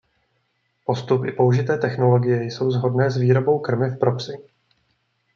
Postup i použité technologie jsou shodné s výrobou krmiv pro psy.